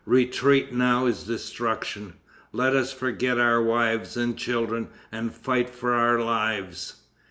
Retreat now is destruction. Let us forget our wives and children, and fight for our lives."